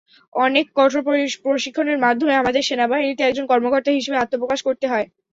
অনেক কঠোর প্রশিক্ষণের মাধ্যমে আমাদের সেনাবাহিনীতে একজন কর্মকর্তা হিসেবে আত্মপ্রকাশ করতে হয়।